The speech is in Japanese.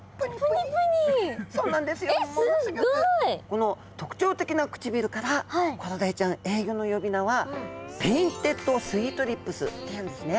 この特徴的な唇からコロダイちゃん英語の呼び名はペインテッドスイートリップスっていうんですね。